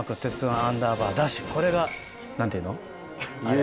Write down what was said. これが何ていうの？